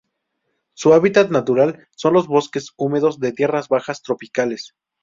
Su hábitat natural son los bosques húmedos de tierras bajas tropicales.